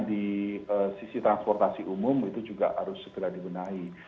di sisi transportasi umum itu juga harus segera dibenahi